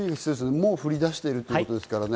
もう降りだしているということですからね。